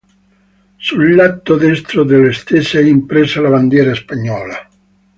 Sul lato destro delle stesse è impressa la bandiera spagnola.